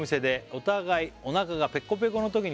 「お互いおなかがペコペコのときに」